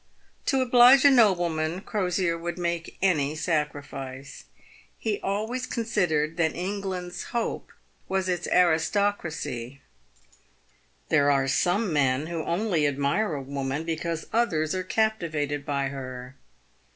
To oblige a nobleman, Crosier would make any sacrifice. He always considered that Eng land's hope was its aristocracy. There are some men who only admire a woman because others are captivated by her.